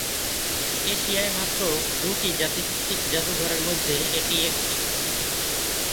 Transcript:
এশিয়ায় মাত্র দুটি জাতি-তাত্ত্বিক জাদুঘরের মধ্যে এটি একটি।